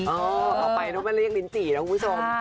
เอาไปหนูลิลลินจี่น้องผู้ชม